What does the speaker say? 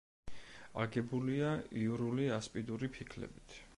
აგებულია იურული ასპიდური ფიქლებით.